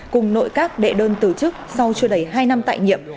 cùng nội các đệ đơn từ chức sau chưa đầy hai năm tại nhiệm